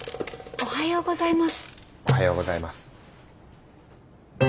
おはようございます。